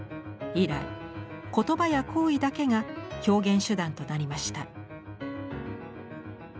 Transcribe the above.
以来言葉や行為だけが表現手段となりました。